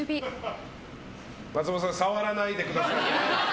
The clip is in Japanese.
松本さん触らないでくださいね。